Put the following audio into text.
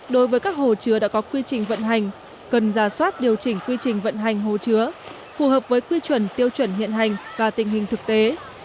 đối với các hồ chứa đã có quy trình vận hành cần giả soát điều chỉnh quy trình vận hành hồ chứa phù hợp với quy chuẩn tiêu chuẩn hiện hành và tình hình thực tế